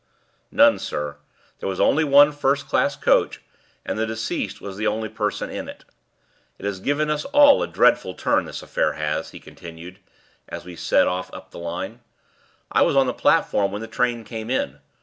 "None, sir. There was only one first class coach, and the deceased was the only person in it. It has given us all a dreadful turn, this affair has," he continued, as we set off up the line. "I was on the platform when the train came in.